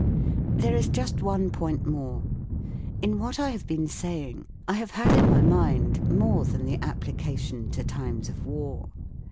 There is just one point more. In what I have been saying I have had in my mind more than the application to times of war.